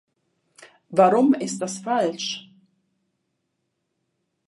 Warum ist das falsch?